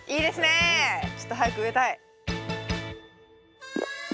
ちょっと早く植えたい。